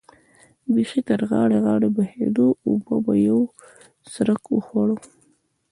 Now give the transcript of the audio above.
بېخي تر غاړې غاړې بهېده، اوبو به یو څرخک وخوړ.